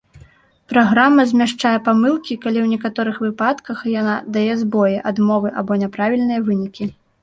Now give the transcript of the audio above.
Праграма змяшчае памылкі, калі ў некаторых выпадках яна дае збоі, адмовы або няправільныя вынікі.